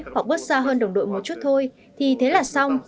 hoặc bước xa hơn đồng đội một chút thôi thì thế là xong